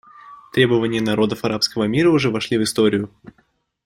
Требования народов арабского мира уже вошли в историю.